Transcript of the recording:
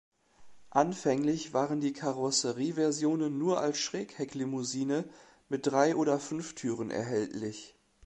Anfänglich waren die Karosserieversionen nur als Schräghecklimousine mit drei oder fünf Türen erhältlich.